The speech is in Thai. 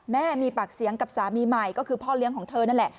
แม่มีปากเสียงกับสามีใหม่ก็คือพ่อเลี้ยงของเธอนั่นแหละ